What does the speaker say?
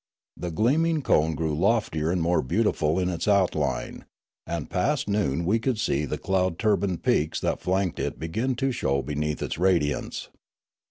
The gleaming cone grew loftier and more beautiful in its outline, and past noon we could see the cloud turbaned peaks that flanked it begin to show beneath its radiance.